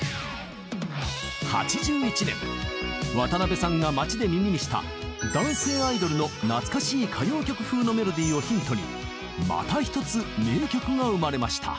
８１年渡辺さんが街で耳にした男性アイドルの懐かしい歌謡曲風のメロディーをヒントにまた一つ名曲が生まれました。